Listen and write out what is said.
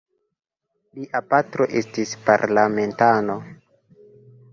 Lia patro estis parlamentano.